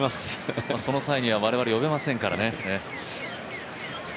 その際には我々呼べませんからね。